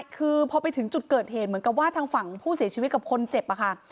คือพอไปถึงจุดเกิดเหตุเหมือนกับว่าทางฝั่งผู้เสียชีวิตกับคนเจ็บอะค่ะ